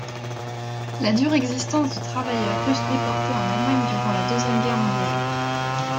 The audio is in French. La dure existence de travailleurs russes déportés en Allemagne durant la Deuxième Guerre mondiale.